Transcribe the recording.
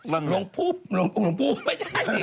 หลงผู้หลงผู้ไม่ใช่สิ